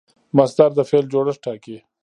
مصدر د فعل جوړښت ټاکي.